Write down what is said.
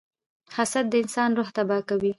• حسد د انسان روح تباه کوي.